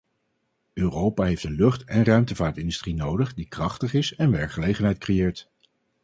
Europa heeft een lucht- en ruimtevaartindustrie nodig die krachtig is en werkgelegenheid creëert.